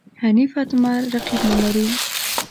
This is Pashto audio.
حنیف اتمر رقیب نه لري.